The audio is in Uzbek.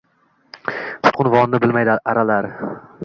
Tutuqunvonini bilmaydi alar